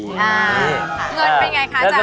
เงินเป็นไงคะอาจาร